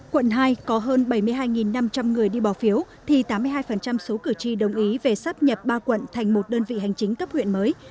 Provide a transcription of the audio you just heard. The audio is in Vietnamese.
quận hai có hơn bảy mươi hai năm trăm linh người đi bỏ phiếu thì tám mươi hai số cử tri đồng ý về sắp nhập ba quận thành một đơn vị hành chính cấp huyện mới